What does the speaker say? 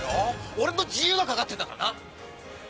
俺の自由が懸かってんだからな。